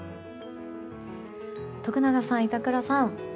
徳永さん、板倉さん